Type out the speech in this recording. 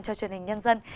cho truyền hình nhân dân